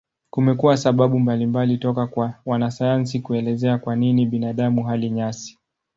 Kumekuwa sababu mbalimbali toka kwa wanasayansi kuelezea kwa nini binadamu hali nyasi.